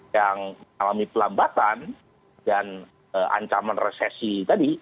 yang mengalami pelambatan dan ancaman resesi tadi